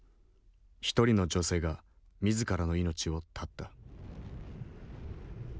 一人の女性が自らの命を絶った。